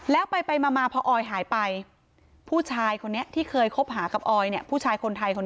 แล้วไปมาพอออยหายไปผู้ชายคนไทยที่เคยคบหากับออย